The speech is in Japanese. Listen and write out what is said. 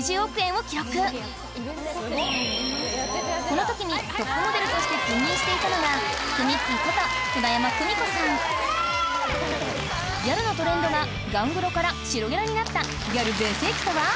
この時にトップモデルとして君臨していたのがくみっきーことギャルのトレンドがガングロから白ギャルになったギャル全盛期とは！？